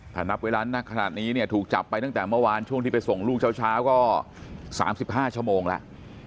ถ้านับเวลานักขนาดนี้เนี่ยถูกจับไปตั้งแต่เมื่อวานช่วงที่ไปส่งลูกเช้าก็๓๕ชั่วโมงแล้ว